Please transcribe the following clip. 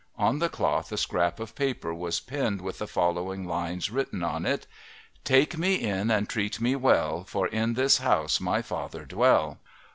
On the cloth a scrap of paper was pinned with the following lines written on it: Take me in and treat me well, For in this house my father dwell.